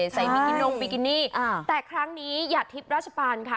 มิกินงบิกินี่แต่ครั้งนี้หยาดทิพย์ราชปานค่ะ